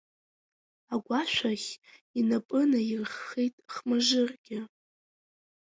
Агәашә ахь инапы наирххеит Хмажыргьы.